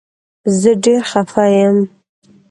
زه ډير خفه يم